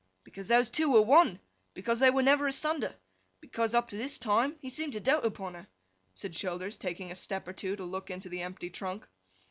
'Because those two were one. Because they were never asunder. Because, up to this time, he seemed to dote upon her,' said Childers, taking a step or two to look into the empty trunk.